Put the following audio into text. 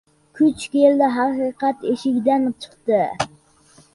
• Kuch keldi — haqiqat eshikdan chiqdi.